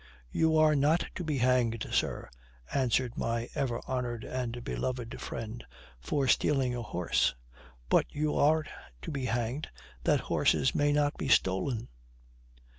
"You are not to be hanged sir," answered my ever honored and beloved friend, "for stealing a horse, but you are to be hanged that horses may not be stolen."